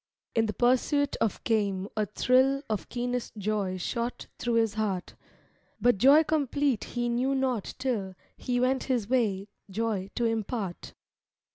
In the pursuit of game a thrill Of keenest joy shot through his heart; But joy complete he knew not till He went his way joy to impart.